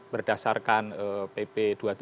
berdasarkan pp dua puluh tujuh dua ribu tujuh belas